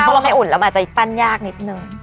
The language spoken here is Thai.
อย่างนี้ข้าวก็จะปร้านยากนิดหนึ่ง